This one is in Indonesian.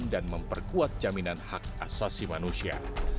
dan memperkuat jaminan hak asasi manusia